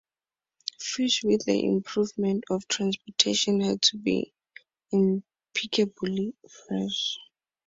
Fish, with the improvement of transportation, had to be impeccably fresh.